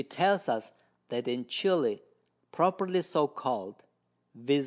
He tells us, that in Chili, properly so call'd, _viz.